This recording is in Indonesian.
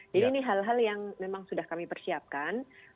jadi ini hal hal yang memang sudah kami persiapkan